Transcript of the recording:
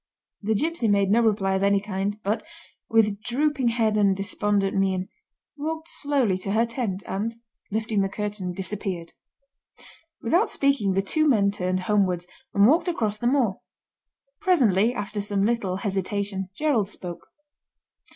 The gipsy made no reply of any kind, but, with drooping head and despondent mien, walked slowly to her tent, and, lifting the curtain, disappeared. Without speaking the two men turned homewards, and walked across the moor. Presently, after some little hesitation, Gerald spoke.